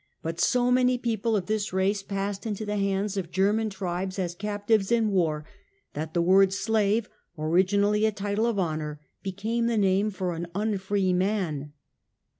But so many people of this race passed into the hands of German tribes as captives in war that the word slave, originally a title of honour, became the name for an " unfree " man.